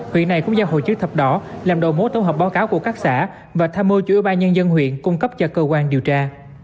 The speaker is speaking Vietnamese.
huyện này cũng do hội chức thập đỏ làm đồ mô tổng hợp báo cáo của các xã và tham mô chủ ubnd huyện cung cấp cho cơ quan điều tra